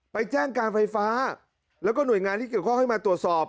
ไปแจ้งการไฟฟ้าแล้วก็หน่วยงานที่เกี่ยวข้องให้มาตรวจสอบ